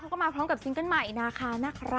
เขาก็มาพร้อมกับซิงเกิ้ลใหม่นาคานะคะ